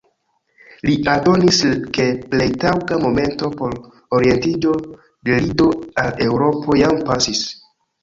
Li aldonis, ke plej taŭga momento por orientiĝo de lido al eŭro jam pasis.